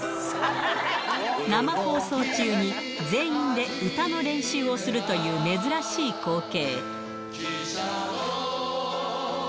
生放送中に全員で歌の練習をするという珍しい光景。